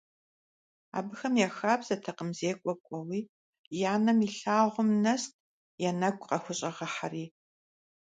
Абыхэм я хабзэтэкъым зекӀуэ кӀуэуи, я нэм илъагъум нэст я нэгу къахущӀэгъыхьэри.